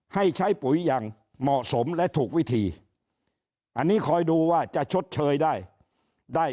ให้ใช้ปุ๋ยอย่างเหมาะสมและถูกวิธีอันนี้คอยดูว่าจะชดเชยได้ได้